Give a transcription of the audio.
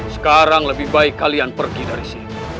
sekarang lebih baik kalian pergi dari sini